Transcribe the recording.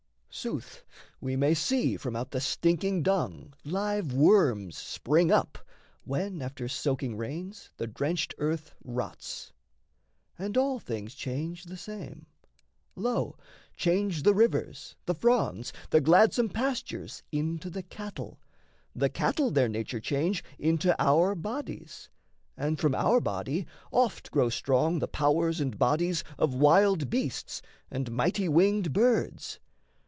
Sooth, we may see from out the stinking dung Live worms spring up, when, after soaking rains, The drenched earth rots; and all things change the same: Lo, change the rivers, the fronds, the gladsome pastures Into the cattle, the cattle their nature change Into our bodies, and from our body, oft Grow strong the powers and bodies of wild beasts And mighty winged birds.